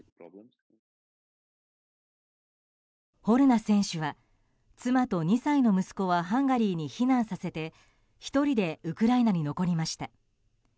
ホルナ選手は妻と２歳の息子はハンガリーに避難させて１人でウクライナに残りました。